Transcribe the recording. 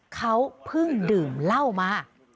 เขาเพิ่งดื่มเหล้ามา